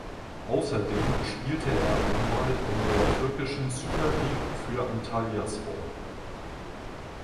Außerdem spielte er einmal in der türkischen Süper Lig für Antalyaspor.